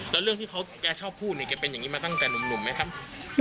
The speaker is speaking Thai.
แล้วเรื่องที่เขาแกชอบพูดเนี่ยแกเป็นอย่างนี้มาตั้งแต่หนุ่มไหมครับ